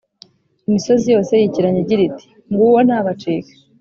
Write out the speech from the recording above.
Imisozi yose yikiranyaga Igira iti « nguwo ntabacike !»